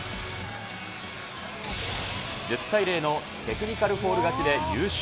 １０対０のテクニカルフォール勝ちで優勝。